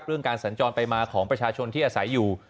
การสัญจรไปมาของประชาชนที่อาศัยอยู่